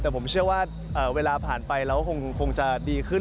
แต่ผมเชื่อว่าเวลาผ่านไปเราก็คงจะดีขึ้น